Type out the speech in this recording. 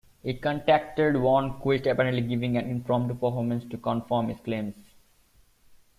He contacted Wernquist, apparently giving an impromptu performance to confirm his claims.